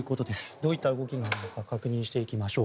どういった動きなのか確認していきましょう。